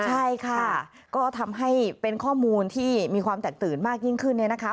ใช่ค่ะก็ทำให้เป็นข้อมูลที่มีความแตกตื่นมากยิ่งขึ้นเนี่ยนะคะ